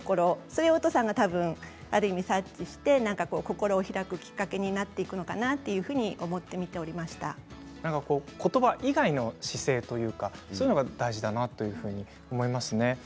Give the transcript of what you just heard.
それを、おとさんがある意味、察知して心を開くきっかけになっているのかなと思ってことば以外の姿勢というかそういうのが大事だなと思いますね。